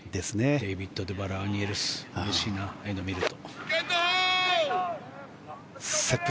デビッド・デュバルアーニー・エルスうれしいなああいうのを見ると。